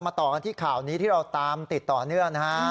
ต่อกันที่ข่าวนี้ที่เราตามติดต่อเนื่องนะฮะ